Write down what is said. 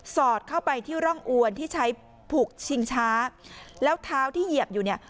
อดเข้าไปที่ร่องอวนที่ใช้ผูกชิงช้าแล้วเท้าที่เหยียบอยู่เนี่ย